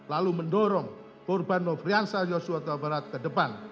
lalu mendorong korban nofriansah yosua tabarat ke depan